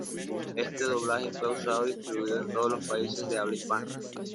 Este doblaje fue usado y distribuido en todos los países de habla hispana.